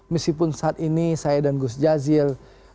meskipun saat ini saya dan gus jazil